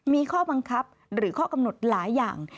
มีข้อบังคับหรือข้อกำหนดหลายอย่าง